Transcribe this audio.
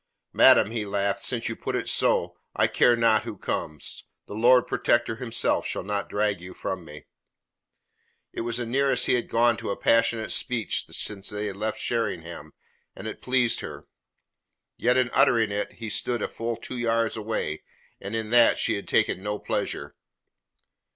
"Madam," he laughed, "since you put it so, I care not who comes. The Lord Protector himself shall not drag you from me." It was the nearest he had gone to a passionate speech since they had left Sheringham, and it pleased her; yet in uttering it he had stood a full two yards away, and in that she had taken no pleasure.